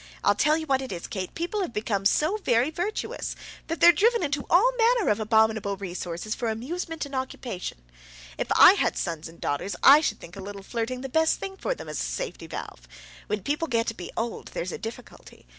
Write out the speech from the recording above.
I'll tell you what it is, Kate; people have become so very virtuous, that they're driven into all manner of abominable resources for amusement and occupation. If I had sons and daughters I should think a little flirting the very best thing for them as a safety valve. When people get to be old, there's a difficulty.